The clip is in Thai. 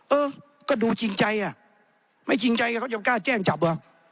เออก็ดูจริงใจอ่ะไม่จริงใจเขาจะกล้าแจ้งจับอ่ะ